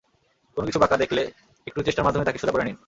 কোনো কিছু বাঁকা দেখলে একটু চেষ্টার মাধ্যমে তাকে সোজা করে নিন।